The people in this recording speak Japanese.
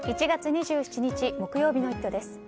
１月２７日、木曜日の「イット！」です。